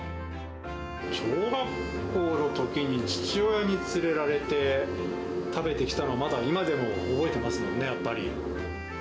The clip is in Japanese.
小学校のときに父親に連れられて、食べに来たのは今でも覚えてますね、やっぱり。